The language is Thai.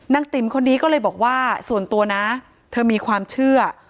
ติ๋มคนนี้ก็เลยบอกว่าส่วนตัวนะเธอมีความเชื่อ